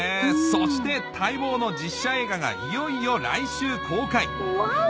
そして待望の実写映画がいよいよ来週公開ワオ！